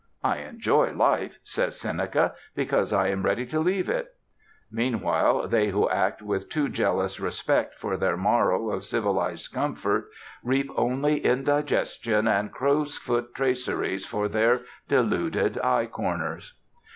"I enjoy life," says Seneca, "because I am ready to leave it." Meanwhile, they who act with too jealous respect for their morrow of civilized comfort, reap only indigestion, and crow's foot traceries for their deluded eye corners.